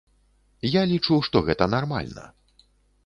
Я лічу, што гэта нармальна.